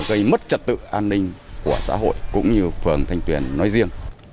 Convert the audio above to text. gây mất trật tự an ninh của xã hội cũng như phường thanh tuyền nói riêng